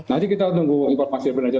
nanti kita tunggu informasi dari penerja